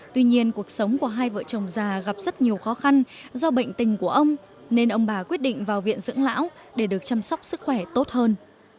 tuy nhiên cuộc sống của hai vợ chồng già gặp rất nhiều khó khăn do bệnh tình của ông nên ông bà quyết định vào viện dưỡng lão để được chăm sóc sức khỏe tốt hơn